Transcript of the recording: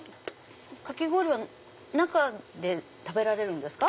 かき氷は中で食べられるんですか？